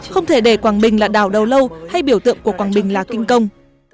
không thể để quảng bình là đảo đầu lâu hay biểu tượng của quảng bình là kinh công